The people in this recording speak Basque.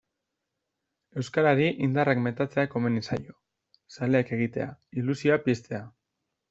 Euskarari indarrak metatzea komeni zaio, zaleak egitea, ilusioa piztea.